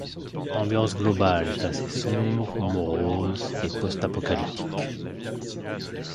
L'ambiance globale est assez sombre, morose et post-apocalyptique.